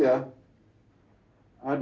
kedua penguasa yang adil